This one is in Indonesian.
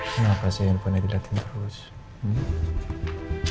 kenapa sih handphonenya tidak tersendiri